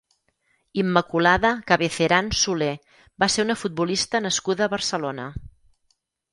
Immaculada Cabeceran Soler va ser una futbolista nascuda a Barcelona.